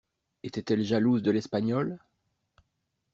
Était-elle jalouse de l'Espagnole?